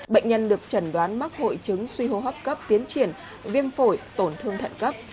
bệnh nhân được chẩn đoán mắc hội chứng suy hô hấp cấp tiến triển viêm phổi tổn thương thận cấp